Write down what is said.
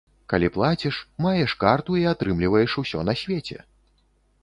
Калі плаціш, маеш карту і атрымліваеш усё на свеце!